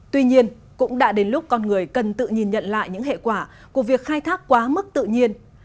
tuy nhiên cũng đã đến lúc con người cần tự nhìn nhận lại những hệ quả của việc khai thác quá mức tự nhiên